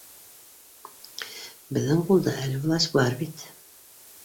Беҙҙең ҡулда әле власть бар бит